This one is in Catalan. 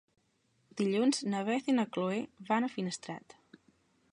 Dilluns na Beth i na Chloé van a Finestrat.